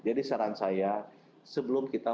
saran saya sebelum kita